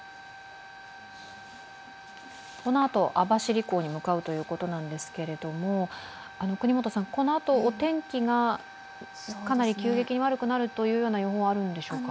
このあと網走港に向かうということなんですがこのあと、お天気がかなり急激に悪くなるというような予報はあるんでしょうか。